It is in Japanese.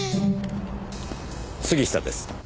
杉下です。